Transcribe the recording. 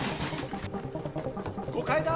・５階だ！